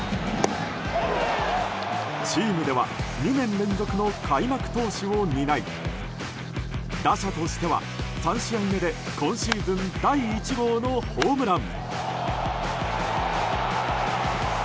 チームでは２年連続の開幕投手を担い打者としては３試合目で今シーズン第１号のホームラン。